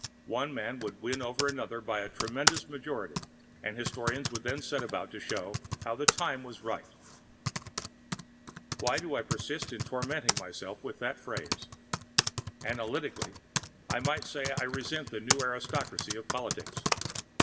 One man would win over another by a tremendous majority, and historians would then set about to show how "the time was right." Why do I persist in tormenting myself with that phrase! Analytically, I might say I resent this new aristocracy of politics.